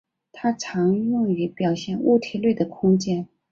它常用于表现物体内的空间。